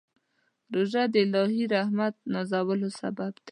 روژه د الهي رحمت نازلولو سبب دی.